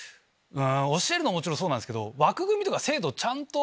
教えるのはもちろんそうなんですけど。